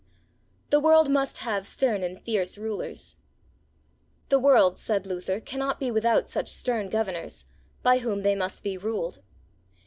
The World must have stern and fierce Rulers. The world, said Luther, cannot be without such stern Governors, by whom they must be ruled.